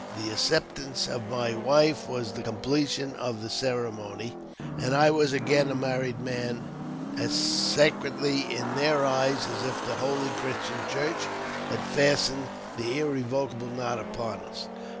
The acceptance of my wife was the completion of the cere mony, and I was again a married man, as sacredly in their eyes as if the Holy Christian Church had fastened the in e vocable knot upon us.